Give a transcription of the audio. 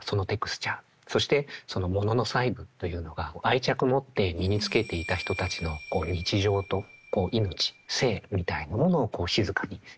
そしてそのモノの細部というのが愛着持って身につけていた人たちの日常と命生みたいなものを静かによみがえらす。